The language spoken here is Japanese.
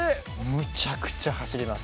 むちゃくちゃ走ります。